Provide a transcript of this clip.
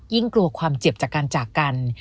กลัวความเจ็บจากการจากกัน